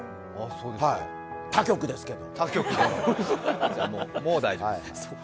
他局ですけど！